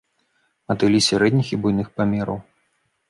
Матылі сярэдніх і буйных памераў.